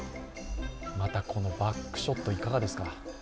またこのバックショット、いかがですか。